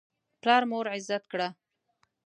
پلار مور عزت کړه.